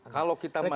kalau kita masih